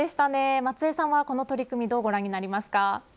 松江さんはこの取り組みどうご覧になりますか。